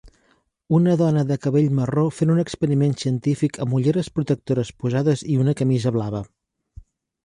Una dona de cabell marró fent un experiment científic amb ulleres protectores posades i una camisa blava.